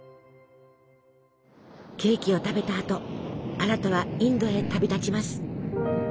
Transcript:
ケーキを食べたあとアラタはインドへ旅立ちます。